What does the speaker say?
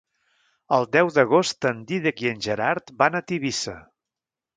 El deu d'agost en Dídac i en Gerard van a Tivissa.